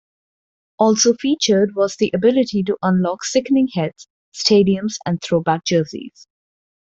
Also featured was the ability to unlock sickening heads, stadiums and throwback jerseys.